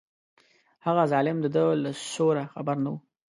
هغه ظالم د ده له سوره خبر نه و.